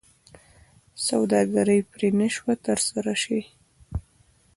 سوداګري پرې نه شوه ترسره شي.